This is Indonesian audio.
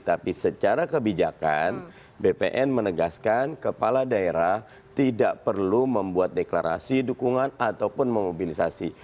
tapi secara kebijakan bpn menegaskan kepala daerah tidak perlu membuat deklarasi dukungan ataupun memobilisasi